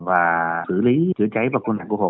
và xử lý chữa cháy và cứu nạn cứu hộ